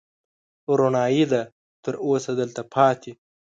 رڼايي يې ده، تر اوسه دلته پاتې